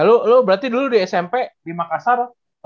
lo berarti dulu di smp di makassar